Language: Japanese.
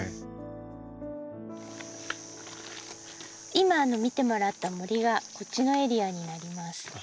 今見てもらった森がこっちのエリアになります。